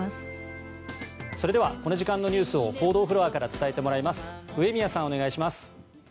それではこの時間のニュースを報道フロアから伝えてもらいます上宮さん、お願いします。